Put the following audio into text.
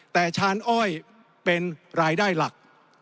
แต่ชานอ้อยเป็นรายได้หลัก